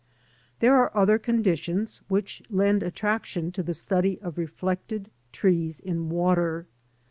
There are other conditions which lend attraction to the study of reflected trees in water.